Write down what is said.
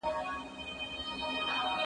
خبرونه د ملک محمود د رسېدو په اړه ورسیدل.